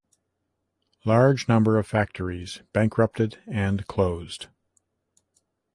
Large number of factories bankrupted and closed.